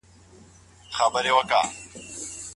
خلع د ګډ ژوند د ختمولو لاره ده.